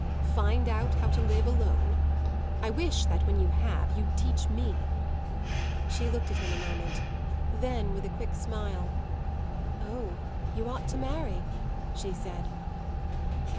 "Find out how to live alone? I wish that, when you have, you'd teach me!" She looked at him a moment; then with a quick smile, "Oh, you ought to marry!" she said.